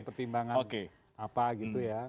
pertimbangan apa gitu ya